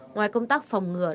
ngoài công tác phòng ngừa